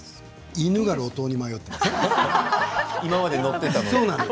犬が路頭に迷っています。